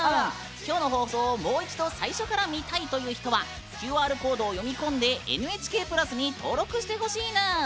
きょうの放送を、もう一度最初から見たいという人はＱＲコードを読み込んでＮＨＫプラスに登録してほしいぬん。